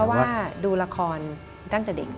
ว่าดูละครตั้งแต่เด็ก